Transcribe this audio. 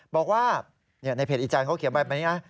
บอกว่าในเพจอีจานเขาเขียนแบบนี้นะ